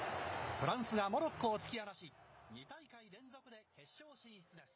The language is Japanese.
フランスがモロッコを突き放し、２大会連続で決勝進出です。